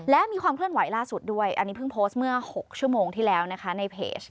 และมีความเคลื่อนไหวล่าสุดด้วยอันนี้เพิ่งโพสต์เมื่อ๖ชั่วโมงที่แล้วนะคะในเพจ